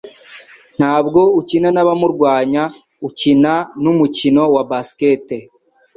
Ntabwo ukina n'abamurwanya, ukina n'umukino wa basket.”